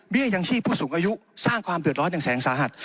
ยังชีพผู้สูงอายุสร้างความเดือดร้อนอย่างแสงสาหัส